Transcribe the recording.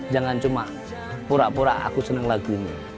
jangan cuma pura pura aku senang lagu ini